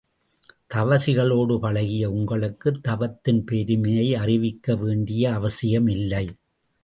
தவசிகளோடு பழகிய உங்களுக்குத் தவத்தின் பெருமையை அறிவிக்க வேண்டிய அவசியம் இல்லை.